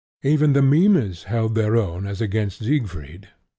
Even the Mimes held their own as against Siegfried.